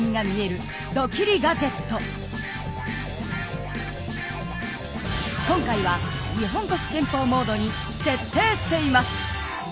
これは今回は日本国憲法モードに設定しています。